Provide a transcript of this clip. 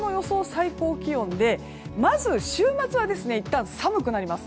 最高気温でまず週末はいったん寒くなります。